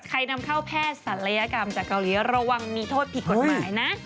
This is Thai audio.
นำเข้าแพทย์ศัลยกรรมจากเกาหลีระวังมีโทษผิดกฎหมายนะ